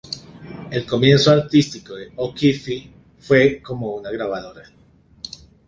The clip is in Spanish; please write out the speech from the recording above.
El comienzo artístico de O'Keeffe fue como grabadora.